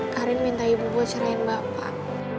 karin minta ibu buat cerahin bapak